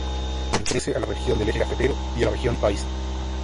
Pertenece a la región del Eje cafetero y a la región paisa.